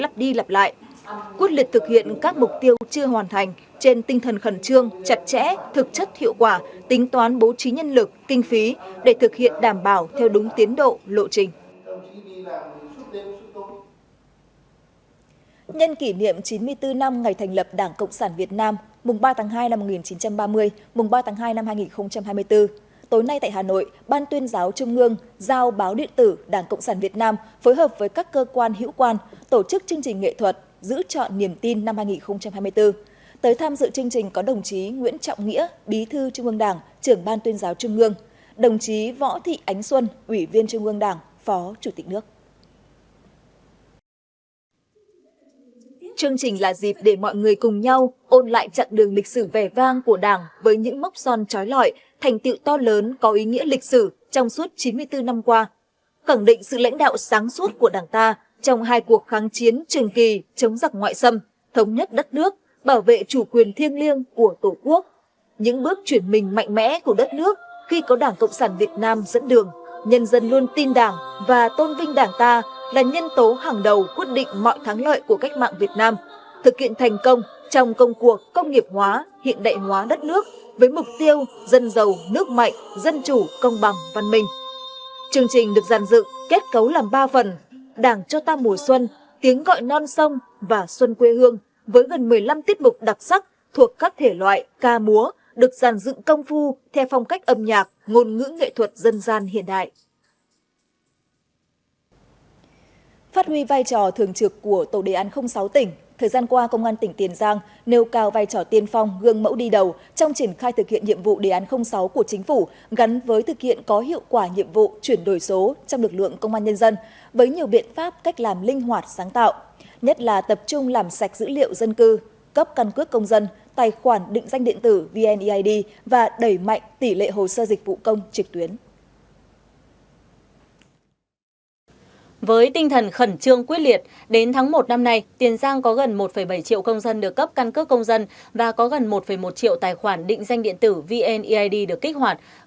với tinh thần khẩn trương quyết liệt đến tháng một năm nay tiền giang có gần một bảy triệu công dân được cấp căn cước công dân và có gần một một triệu tài khoản định danh điện tử vneid được kích hoạt góp phần quan trọng trong việc triển khai thực hiện hai mươi một mô hình điểm nhằm đẩy mạnh các nhiệm vụ đề án sáu trên địa bàn tỉnh